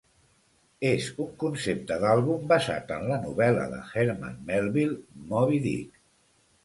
És un concepte d'àlbum basat en la novel·la de Herman Melville "Moby-Dick".